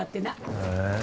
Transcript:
へえ。